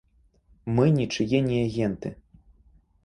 Мы нічые не агенты.